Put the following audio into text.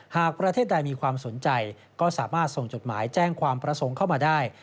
หากประเทศใดมีความสนใจก็สามารถส่งจดหมายแจ้งความประสงค์เข้ามาได้